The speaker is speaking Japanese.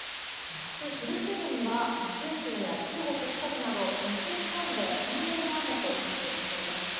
明日昼過ぎには九州や中国・四国など西日本で本降りの雨となってきそうです。